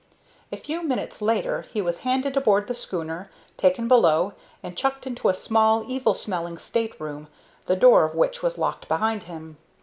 A few minutes later he was handed aboard the schooner, taken below, and chucked into a small, evil smelling state room, the door of which was locked behind him.